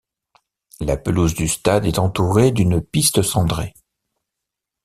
La pelouse du stade est entourée d'une piste cendrée.